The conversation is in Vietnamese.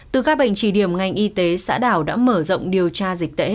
từ ca bệnh trì điểm ngành y tế xã đảo đã mở rộng điều tra dịch tễ